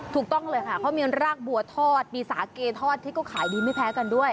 ถูกต้องเลยค่ะเขามีรากบัวทอดมีสาเกทอดที่ก็ขายดีไม่แพ้กันด้วย